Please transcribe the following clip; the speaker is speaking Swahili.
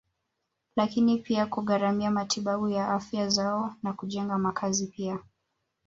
Lakini pia kugharimia matibabu ya afya zao na kujenga makazi pia